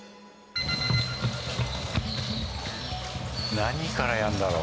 何からやるんだろう。